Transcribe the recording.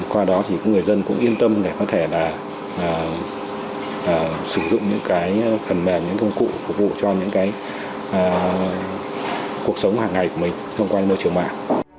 qua đó thì người dân cũng yên tâm để có thể là sử dụng những cái thần mềm những công cụ phục vụ cho những cái cuộc sống hàng ngày của mình vòng quanh môi trường mạng